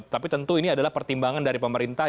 tapi tentu ini adalah pertimbangan dari pemerintah